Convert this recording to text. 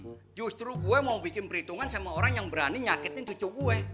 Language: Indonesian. karena justru gue mau bikin perhitungan sama orang yang berani nyakitin cucu gue